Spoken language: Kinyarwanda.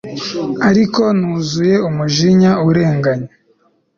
ariko nuzuye umujinya urenganya